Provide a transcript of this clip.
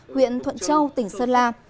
huyện thuận châu tỉnh sơn la